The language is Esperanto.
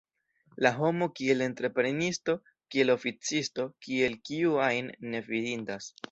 La homo kiel entreprenisto, kiel oficisto, kiel kiu ajn, ne fidindas.